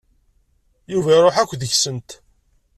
Yuba iṛuḥ akk deg-sent.